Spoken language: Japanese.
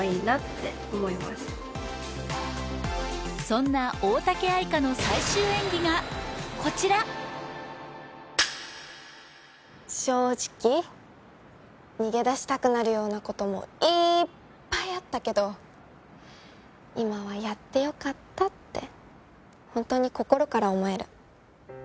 そんな大嵩愛花の最終演技がこちら正直逃げ出したくなるようなこともいっぱいあったけど今はやってよかったって